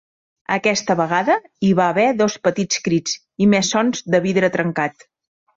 Aquesta vegada hi va haver dos petits crits i més sons de vidre trencat.